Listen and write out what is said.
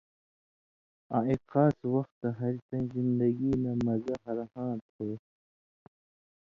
آں اېک خاص وختہ ہاریۡ تَیں زِندگی نہ مزہ ہر ہاں تھو۔